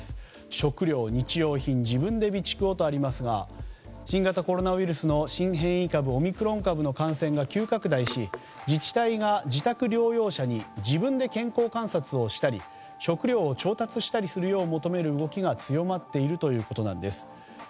食料、日用品自分で備蓄をとありますが新型コロナウイルスの新変異株オミクロン株の感染が急拡大し自治体が自宅療養者に自分で健康観察をしたり食料を調達したりするよう求める動きが強まっているということなんです。